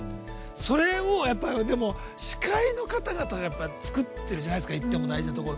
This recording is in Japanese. それを司会の方々が作ってるじゃないですか大事なところを。